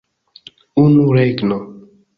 Unu regno!